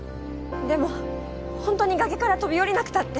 でも本当に崖から飛び降りなくたって！